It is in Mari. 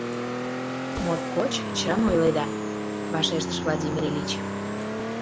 — Моткоч чын ойледа, — вашештыш Владимир Ильич.